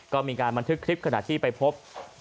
ก็มีการบันทึกคลิปขณะที่ไปพบ